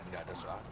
tidak ada soal